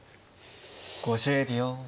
５０秒。